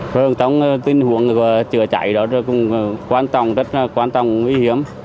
thường tâm tình huống chữa cháy đó cũng quan tâm rất là quan tâm nguy hiểm